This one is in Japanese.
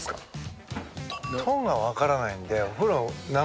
トンがわからないんで。